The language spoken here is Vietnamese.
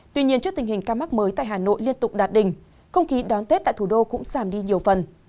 tuy nhiên trước tình hình ca mắc mới tại hà nội liên tục đạt đỉnh không ký đón tết tại thủ đô cũng giảm đi nhiều phần